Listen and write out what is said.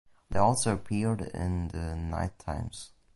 They also appeared in the Night Times.